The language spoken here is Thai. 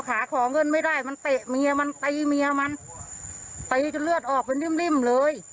ข้าของนั่นไม่ได้มันเตะเมียมันตะเยี้ยมเมียมันตะเยี้ยจนเลือดออกเป็นลิ่มเลย